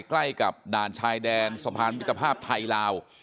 ใกล้กับด่านชายแดนสะพานมิตรภาพไทยลาว